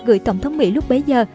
gửi tổng thống mỹ lúc bấy giờ